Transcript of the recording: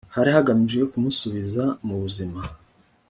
hari hagamijwe kumusubiza mu buzima